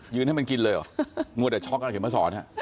ยืนให้มันกินเลยหรองั้นแต่ช็อกกับเห็นพ่อสอนอ่ะ